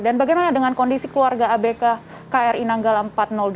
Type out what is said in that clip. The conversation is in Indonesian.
dan bagaimana dengan kondisi keluarga abk kri nanggalam empat ratus dua